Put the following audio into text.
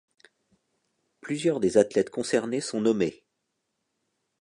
Plusieurs des athlètes concernés sont nommés.